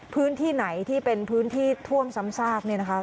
พื้นที่ไหนที่เป็นพื้นที่ท่วมซ้ำซากเนี่ยนะคะ